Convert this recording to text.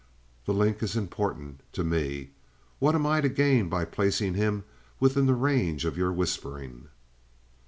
The link is important to me. What am I to gain by placing him within the range of your whispering?"